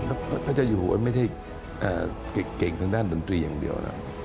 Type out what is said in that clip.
แล้วพระเจ้าอยู่หัวไม่ใช่เก่งทางด้านดนตรีอย่างเดียวนะ